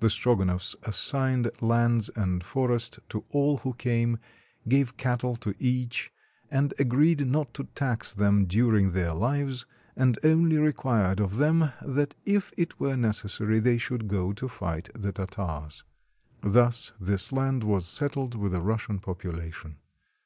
The Strogonoffs assigned lands and forest to all who came, gave cattle to each, and agreed not to tax them during their Uves, and only required of them that if it were necessary they should go to fight the Tartars. Thus this land was settled with a Russian population.